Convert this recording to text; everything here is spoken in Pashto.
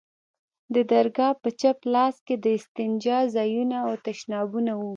د درگاه په چپ لاس کښې د استنجا ځايونه او تشنابونه وو.